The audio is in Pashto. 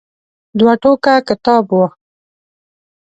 دوه ټوکه کتاب و.